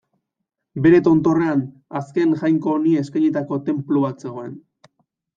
Bere tontorrean, azken jainko honi eskainitako tenplu bat zegoen.